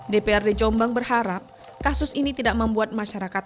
dprd jombang berharap kasus ini tidak membuat masyarakat